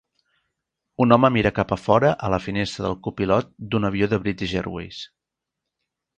Un home mira cap a fora a la finestra del copilot d'un avió de British Airways